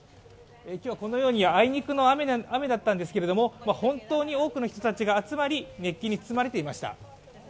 今日はこのようにあいにくの雨だったんですけれども、本当に多くの人たちが集まり熱気に包まれていました。